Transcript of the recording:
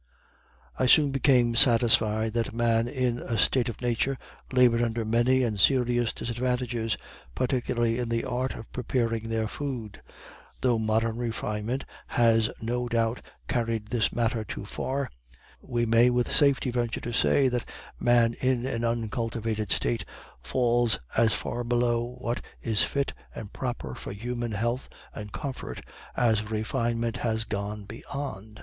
I soon become satisfied that man in a state of nature labored under many and serious disadvantages, particularly in the art of preparing their food. Though modern refinement has no doubt carried this matter too far, we may with safety venture to say that man in an uncultivated state falls as far below what is fit and proper for human health and comfort as refinement has gone beyond.